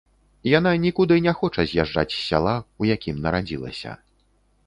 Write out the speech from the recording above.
Яна нікуды не хоча з'язджаць з сяла, у якім нарадзілася.